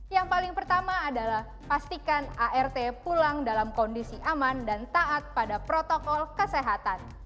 yang paling pertama adalah pastikan art pulang dalam kondisi aman dan taat pada protokol kesehatan